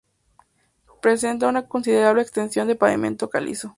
Presenta una considerable extensión de pavimento calizo.